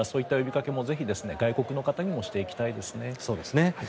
そういった呼びかけもぜひ外国の方にもしていきたいですね。